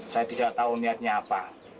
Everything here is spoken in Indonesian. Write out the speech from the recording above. saya tidak tahu niatnya apa